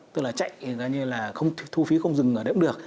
tức là chạy thu phí không dừng ở đấy cũng được